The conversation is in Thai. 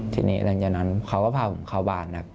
ทีนี้หลังจากนั้นเขาก็พาผมเข้าบ้านครับ